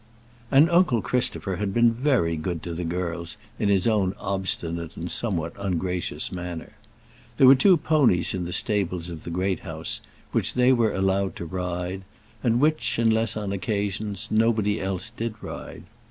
And uncle Christopher had been very good to the girls in his own obstinate and somewhat ungracious manner. There were two ponies in the stables of the Great House, which they were allowed to ride, and which, unless on occasions, nobody else did ride.